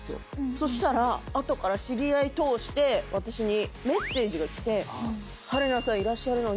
そしたら後から知り合い通して私にメッセージが来て。